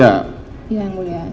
ya yang mulia